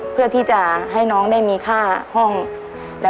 เพื่อที่จะให้น้องได้มีค่าห้อง